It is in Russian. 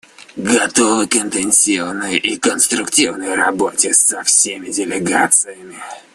Готовы к интенсивной и конструктивной работе со всеми делегациями.